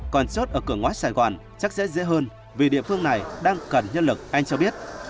còn chốt ở cửa ngoát sài gòn chắc sẽ dễ hơn vì địa phương này đang cần nhân lực anh cho biết